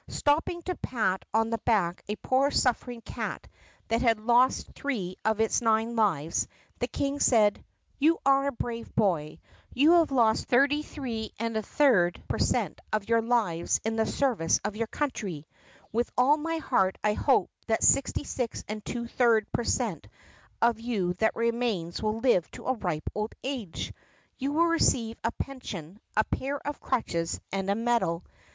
Stopping to pat on the back a poor suffering cat that had lost three of his nine lives the King said, "You are a brave boy. You have lost 33 i per cent, of your lives in the service of your country. With all my heart I hope the 66§ per cent, of you that remains will live to a ripe old age. You will receive a pension, a pair of crutches, and a medal.